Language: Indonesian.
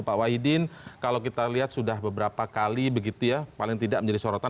pak wahidin kalau kita lihat sudah beberapa kali begitu ya paling tidak menjadi sorotan